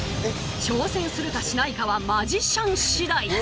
挑戦するかしないかはマジシャン次第。